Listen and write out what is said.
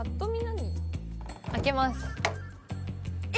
開けます。